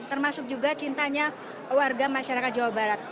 termasuk juga cintanya warga masyarakat jawa barat